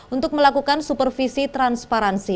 untuk melakukan supervisi transparansi